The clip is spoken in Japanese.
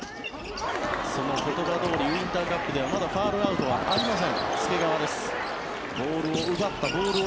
その言葉どおりウインターカップではまだファウルアウトはありません。